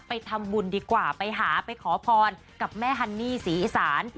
ไปทำบุญดีกว่าไปหาไปขอพรกับแม่ฮันนี่ศรีอีสาน